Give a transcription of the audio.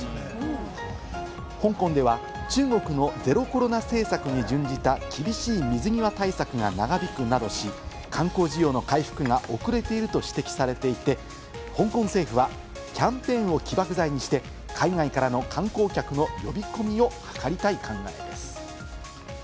香港では中国のゼロコロナ政策に準じた厳しい水際対策が長引くなどし、観光需要の回復が遅れていると指摘されていて、香港政府はキャンペーンを起爆剤にして、海外からの観光客の呼び込みを図りたい考えです。